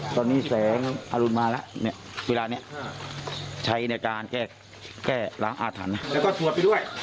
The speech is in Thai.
ตอนนี้แสงอรุณมาแล้วเวลานี้ใช้ในการแก้ล้างอาถรรพ์